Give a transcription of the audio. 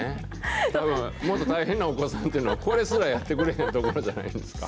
たぶん、もっと大変なお子さんっていうの、これすらやってくれへんところじゃないですか。